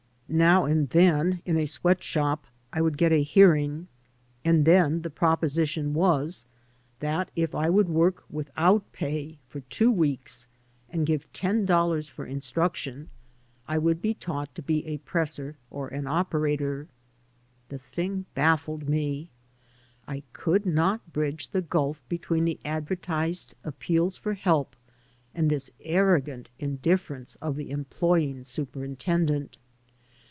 Now and then, in a sweat shop, I would get a hearing; and then the proposition 91 AN AMERICAN IN THE MAKING was that if I would work without pay for two weeks, and give ten dollars for instruction, I would be taught to be a presser or an operator. The thing baffled me. I could not bridge the gulf between the advertised appeals for help and this arrogant indifference of the employing superintendent.